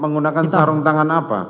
menggunakan sarung tangan apa